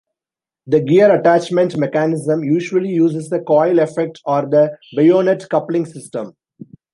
The gear attachment mechanism usually uses the coil effect or the bayonet coupling system.